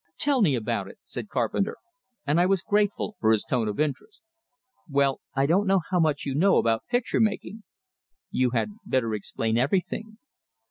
"Tell me about it," said Carpenter; and I was grateful for his tone of interest. "Well, I don't know how much you know about picture making " "You had better explain everything."